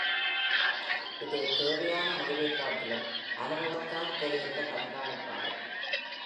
இது தேவையான முடிவைக் காட்டிலும் அனுபவத்தால் தெரிகின்ற கண்காணிப்பாகும்.